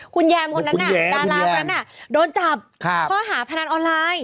คุณแยมคนนั้นน่ะดาราคนนั้นโดนจับข้อหาพนันออนไลน์